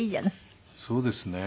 そうですね。